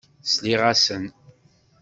Sliɣ-asen.